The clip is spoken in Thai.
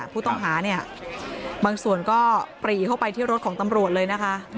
ผู้ต้องหาบางส่วนก็ปรีเข้าไปที่รถของตำรวจ